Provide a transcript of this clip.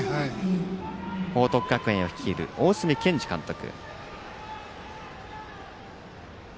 報徳学園を率いる大角健二監督。